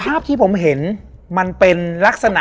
แล้วสักครั้งหนึ่งเขารู้สึกอึดอัดที่หน้าอก